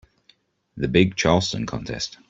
The big Charleston contest.